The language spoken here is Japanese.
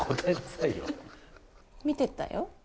見てたよ。